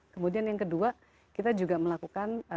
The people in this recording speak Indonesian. kemudian yang kedua kita juga melakukan